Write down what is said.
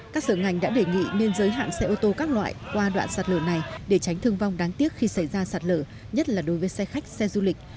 các sở ngành đã đề nghị nên giới hạn xe ô tô các loại qua đoạn sạt lở này để tránh thương vong đáng tiếc khi xảy ra sạt lở nhất là đối với xe khách xe du lịch